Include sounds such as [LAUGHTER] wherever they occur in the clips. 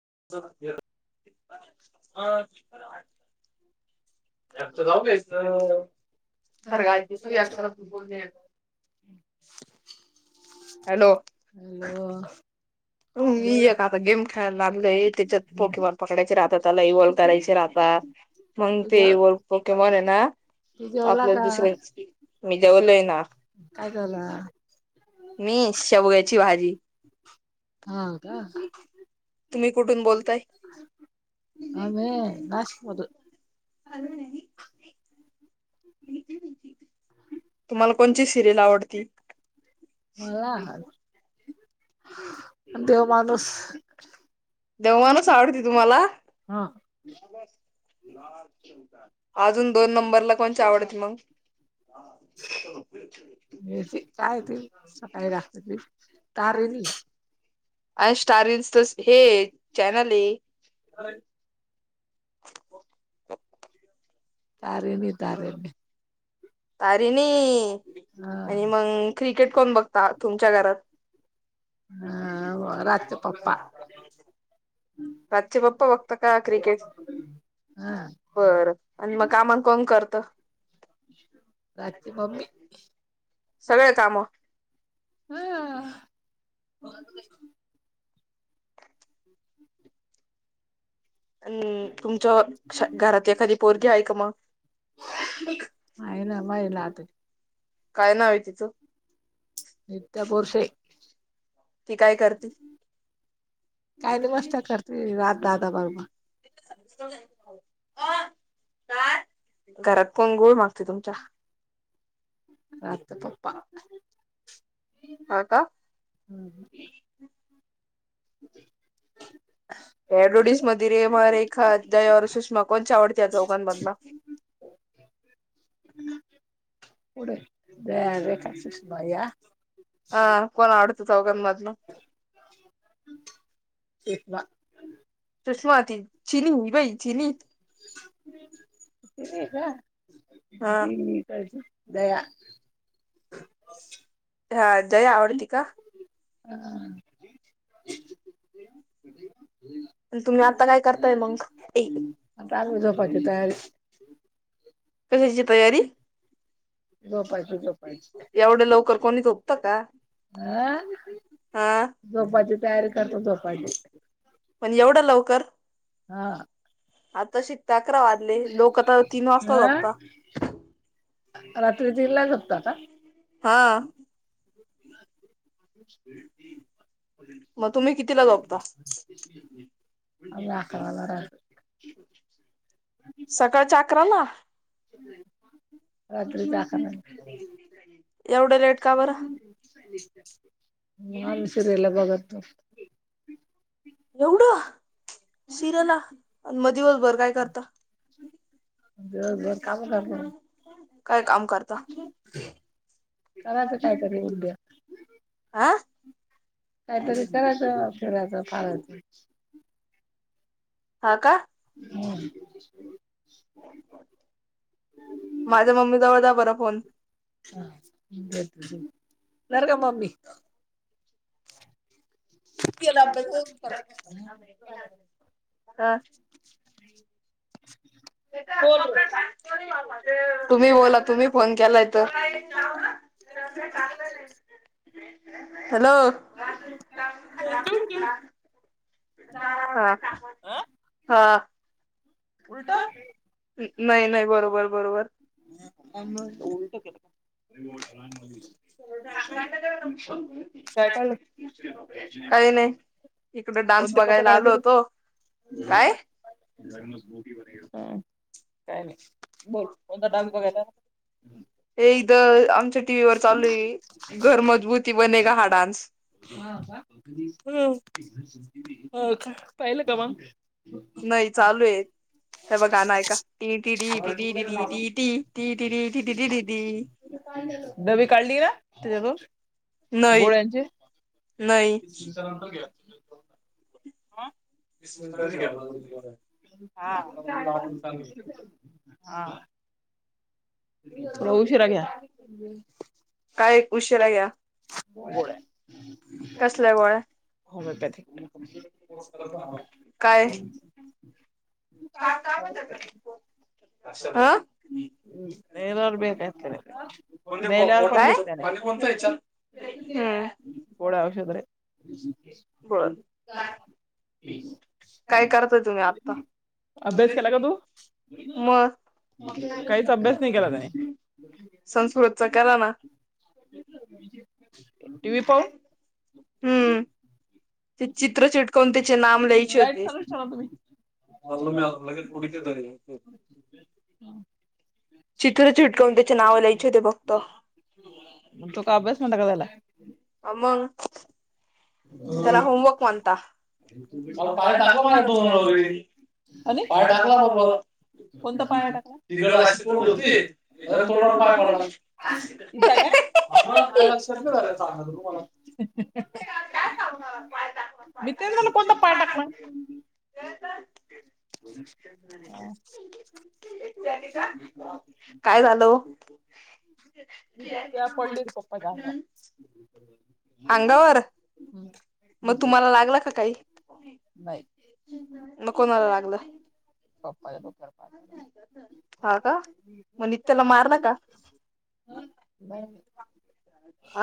[UNINTELLIGIBLE] [UNINTELLIGIBLE] [UNINTELLIGIBLE] Hello! होय तू का आता गेम खेळायला लागलय त्याच्यात पोटी बॉल पकडायचे राहतात ताला इवल करायचे राहता मग जेव तेव पोके मोन आहे ना तू जेवला आपल्याला का दुसर्या मी जवलो आहे ना काय झाला मी शेवघायची भाजी हा का? तुम्ही कुठून बोलताय? आम्ही नाशिकमधून [UNINTELLIGIBLE] तुम्हाला कोणची सिरियल आवडती? मला देव माणूस देव माणुस आवडते तुम्हाला हा अजून दोन नंबरला कोणच आवडत मग? हे ते काय ते सकाळी लागत ते‌ तारीनी आणि स्टारनस तर हे चॅनल आहे [UNINTELLIGIBLE] तारे नी तारे नी तारीणी हा आणि मग क्रिकेट कोण बघता तुमच्या घरात? [INAUDIBLE] [INAUDIBLE] पप्पा बघता का क्रिकेट हा बर आणि मग? काम कोण करत? पार्थची मम्मी सगळे कामं हा अन तुमच्या घरात एखादी पोरगी आहे का मगं? मायला मायला त काय नाव आहे तिच? नित्या बोरफे. ती काय करतील? काही दिवस करते रात दादा बरोबर [UNINTELLIGIBLE] घरात कोण कोण असतयं तुमच्या? पात पप [UNINTELLIGIBLE] हा, का? [INAUDIBLE] एडोडस मध्ये रेमा रेखा जया सुषमा कोणच्या आवडते चौकांमधला [UNINTELLIGIBLE] ह [INAUDIBLE] हम्. [INAUDIBLE] पुढ रेखा कष््या [UNINTELLIGIBLE] हा कोण आवडत हो चौघांमधन? - एक म [UNINTELLIGIBLE] सुष्मा ती चिनी हो बाई चिनी [UNINTELLIGIBLE] हा ज [UNINTELLIGIBLE] दया [UNINTELLIGIBLE] हा जया आवडती का? ह आणि तुम्ही आता काय करताय मग ए [UNINTELLIGIBLE] आल झोपाची तयारी [UNINTELLIGIBLE] हम्. [INAUDIBLE] कशाची तयारी? झोपायची. झोपायची एवढं लवकर कोणी झोपतं का?? हा हा झोपायची तयारी करतो, झोपायची- पण एवढं लवकर? हा. आता शिकता अकरा वाजले लोक आता तीन वाजता आ झोपता [UNINTELLIGIBLE] रात्री दिडला झोपता का? हा मग तुम्ही कितीला झोपता [INAUDIBLE] अकराला रा सकाळ चा आकराला? ह, [INAUDIBLE] एवढं लेट का बरं? मामसरला बघत [INAUDIBLE] एवढं, शिर ला आणि मग दिवसभर काय करता? ग बस. [UNINTELLIGIBLE] काय काम करता? करायच तर कायतर उद्या. हा काहीतरी करायचं, फिरायच, पाळायच- हा का हम. माझ्या मम्मी जवळ द्या बरं फोन. धर, धर गं मम्मी. केला अब्याऽऽ [UNINTELLIGIBLE] ते म, [UNINTELLIGIBLE] तुम्ही बोला, तुम्ही फोन केला तर. हॅलो? सु क [INAUDIBLE] हा, हा, नाही, नाही. बरोबर, बरोबर. [INAUDIBLE] मा [INAUDIBLE] काय खालं? काही नाही, इकडे डान्स कोणते कपडे बघायला आलो काढायचे होतो- काय,? ब होता. बोल, कोणता टाम वगैर आता. त, आमच्या टीव्ही वर चालू य,, घर मजबूती बने गा हा डान्सऽऽ ह, अंऽपाहिलं का मग? नाही चालू आहे. त्या बगा गांण आय का. टिटिटिटि नवी काढली ना,, त्याच्यातून,, नाही गोळ्यांची. नाही मग. हा, हा, रऊ शिरा घ्या. काय उशिरा घ्या बोला, कसल्या गोळ्या होमिओपॅथऽऽ काय? हा हम्. नेल्यावर बे का अस, नेल्यावर पण काय दिसतेऽऽ हम्म कोड वशे तरेऽ बर काय का? करताय तुम्ही आता अभ्यास केला का तू? होय,, मग काहीच अभ्यास नाहीऽऽ संस्कृतचा करा ना. टीव्ही पाहून हम्म. ते चित्र चिटकून त्याचे नाम लिहायचे लाईट होते. चालूच ठेवला तुम्ही झाल मी लागे पुढ दरी [INAUDIBLE] चितूर चिटकावून त्याच्या नाव लयचे होते फक्तऽ मग तो का अभ्यास म्हणता का झाला आ मगं. काल पाय टाकला माझ ओठोवरीऽ आणि पाय टाकला बरोबर,, कोणता पाय टाकला, तिगड अशी तोड होती, तोंडऽऽ पण इथ का आमला न लक्ष रुपये वर सांग रूमला. जितेंद्रने कोणता पाय टाकला हा काय झालं पडली अंगावर हातावर मग तुम्हाला लागला का काही नाही मग कोणाला लागलं पप्पाला हा का मग नित्याला मारलं का आ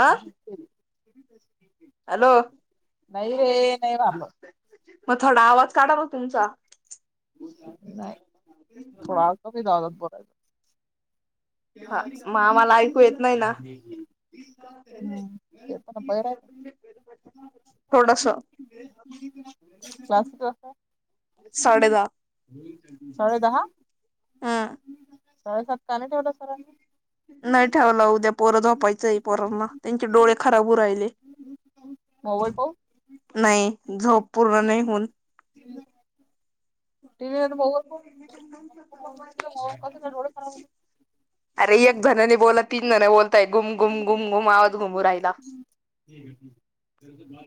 हॅलो नाही रे नाही बाप मग थोडा आवाज काढा मग तुमचा नाही थोडा आवाजात बोलायच ह मग आम्हाला ऐकू येत नाही ना ते पण बाहेर आहे थोडासा साडे दहा साडे दहा ह साडे सात का नाही ठेवला सरानी नाही ठेवलं उद्या पोरझोपायच आहे पोरांना त्यांचे डोळे खराब राहिले मोबाईल पाहू नाही झोप पूर्ण नाही होऊन टीव्ही नाही तर मोबाईल अरे एक जणानी बोला तीन जण बोलताय गुम गुम गुम गुम आवाज घुमू राहायला हम् हम हम्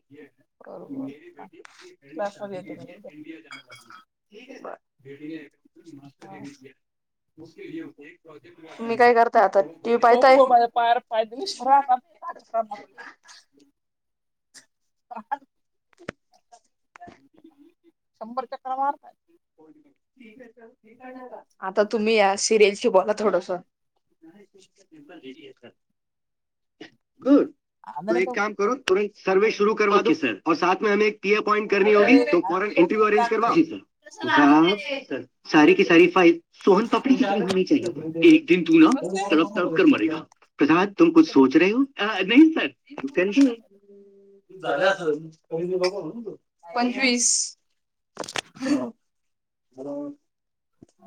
तुम्ही काय करताय आता टीव्ही पाहताय बर [UNINTELLIGIBLE] पायावर पाय देऊन. कर. [UNINTELLIGIBLE] का? शंभर चक्करा मारताय. आता तुम्ही या सिरीयसली बोला थोडस. [UNINTELLIGIBLE] गुड तो एक काम करो तुरंत सर्वे शरू करवा सर साथ म हम एक अपॉइंट कर होती आंधळे त फॉरन आंधळे तो इंटरव्यू मोबाईल अरेज आंधळे कर. त सारी की सारी फाईल सोहन कपडी. तडप तडप कर मरेगा प्रसााद तुम कुच सोच रहे हो नाही सर झाल्या असेल पंचवीस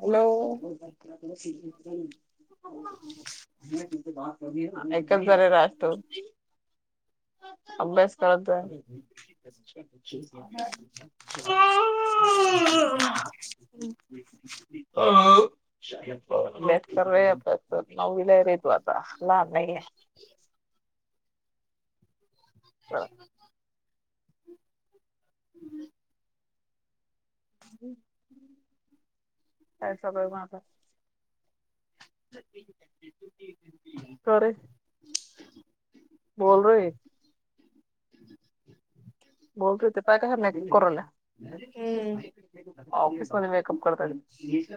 हॅलो बात करणी है एकच जरा असतो अभ्यास कळतो आहे [UNINTELLIGIBLE] हम् नऊवीला र तू आता लहान नाही [INAUDIBLE] हा [INAUDIBLE] [INAUDIBLE] का सगळं मग [INAUDIBLE] कर बोल रो. बोते होते पाय कायर नाही कोला ऑफिस मध्ये मेकअप करता. अरे.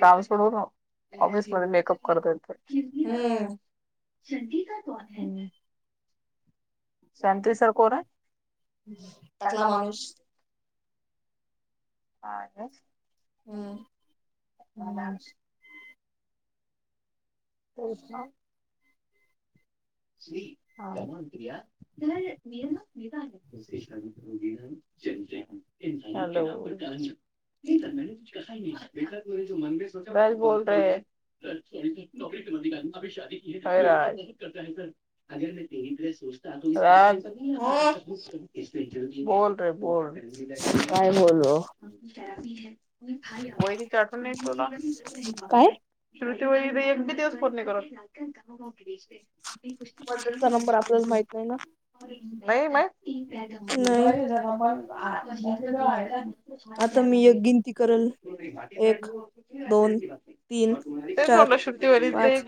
फॅमस प होत ऑफिस मध्ये मेकअप करत हम्म येत. सट सर कोर. टकला मणूस हासम्. हम्म होच ना. श धवंति [UNINTELLIGIBLE] आळवू. [UNINTELLIGIBLE] सॉरी नौकरी कर काी शादी क का अेर नाही ते ड्रेस सोचत तु हम्म बॉ र बॉोल काय बोलू र चठून काय ते एक दिवस पोर्णे करत. नाही मटनचा नंबर आपल्याला माहित नाही ना म [UNINTELLIGIBLE] सड बरे झाला मला आ मोकळं आहे ना. आता मी एक गिनती करल एक दोन तीन चार सुट्टी पाच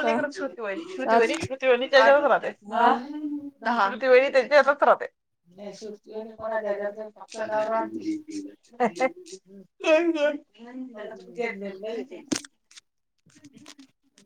सहा व हो. श्रुतीवेळी सात श्रुतीवेणी त्याच्यावरच राहते दहा ानुतीवेळी त्यांच्या यातच नाही राहते. सुट शिव कोणाच्या कोणात ह्याच्यात नाही फक्त फक्ष आण. नवरा आणि ती हया त्याला म्हणून ह.